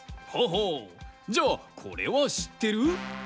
ほほうじゃあこれはしってる？